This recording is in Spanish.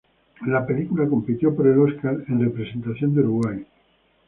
La película compitió por el Óscar a en representación de Uruguay.